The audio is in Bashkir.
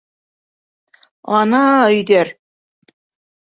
Ана, өйҙәр.